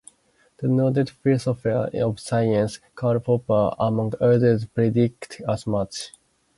The noted philosopher of science, Karl Popper, among others, predicted as much.